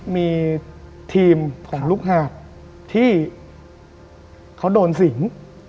มีทีมของลูกหาดที่เขาโดนสิง